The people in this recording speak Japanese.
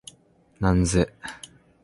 なんぜ？